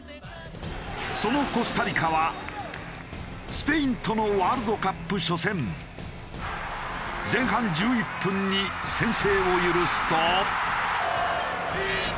そのコスタリカはスペインとのワールドカップ初戦前半１１分に先制を許すと。